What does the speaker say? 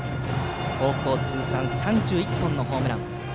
高校通算３１本のホームラン。